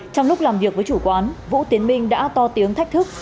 trong lúc làm việc với chủ quán vũ tiến minh đã to tiếng thách thức